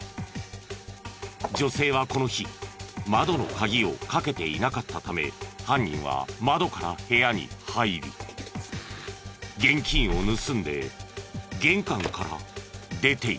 女性はこの日窓の鍵をかけていなかったため犯人は窓から部屋に入り現金を盗んで玄関から出ていった。